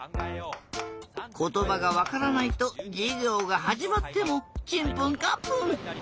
ことばがわからないとじゅぎょうがはじまってもチンプンカンプン。